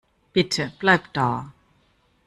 Bitte, bleib da.